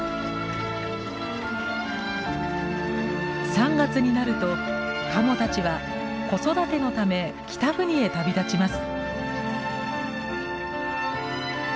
３月になるとカモたちは子育てのため北国へ旅立ちます。